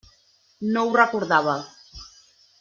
No ho recordava.